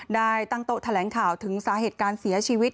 ได้ตั้งโต๊ะแถลงข่าวถึงสาเหตุการเสียชีวิต